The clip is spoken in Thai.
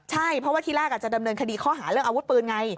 ใช่เพราะว่าทีแรกจะดำเนินคดีข้อหาร์วิดคบปืนไง